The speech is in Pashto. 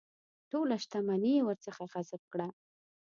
ټوله شته مني یې ورڅخه غصب کړه.